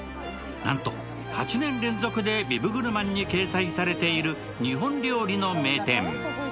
なんと８年連続でビブグルマンに掲載されている日本料理の名店。